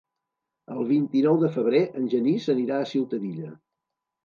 El vint-i-nou de febrer en Genís anirà a Ciutadilla.